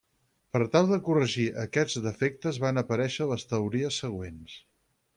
Per tal de corregir aquests defectes van aparèixer les teories següents.